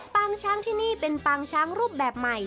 ปางช้างที่นี่เป็นปางช้างรูปแบบใหม่